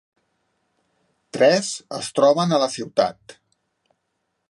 Tres es troben a la ciutat.